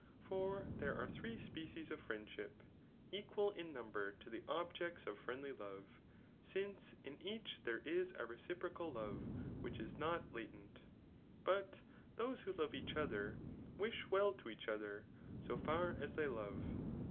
For there are three species of friendship, equal in number to the objects of friendly love j since in each there is a reciprocal love which is not latent. But those who love each other, wish well to each other, so far as they love.